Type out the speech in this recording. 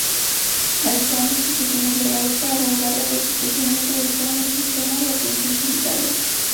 Realizaron disposiciones legales para regular la prostitución e introdujeron un sistema de atención sanitaria.